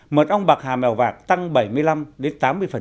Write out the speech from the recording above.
mật ong bạc hà mèo vạc tăng bảy mươi năm đến tám mươi